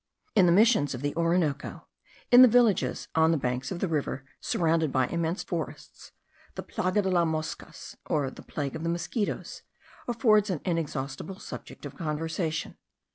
In the missions of the Orinoco, in the villages on the banks of the river, surrounded by immense forests, the plaga de las moscas, or the plague of the mosquitos, affords an inexhaustible subject of conversation.